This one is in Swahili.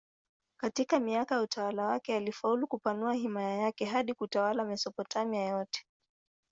Katika miaka ya utawala wake alifaulu kupanua himaya yake hadi kutawala Mesopotamia yote.